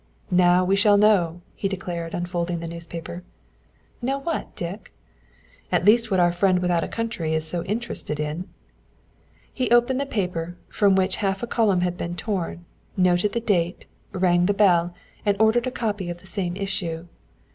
"Now we shall know!" he declared, unfolding the newspaper. "Know what, Dick?" "At least what our friend without a country is so interested in." He opened the paper, from which half a column had been torn, noted the date, rang the bell, and ordered a copy of the same issue.